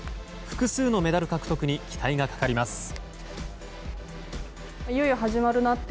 複数のメダル獲得に期待がかかります。